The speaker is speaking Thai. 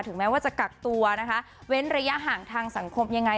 แม้ว่าจะกักตัวนะคะเว้นระยะห่างทางสังคมยังไง